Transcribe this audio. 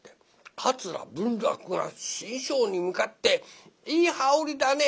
桂文楽が志ん生に向かって「いい羽織だね。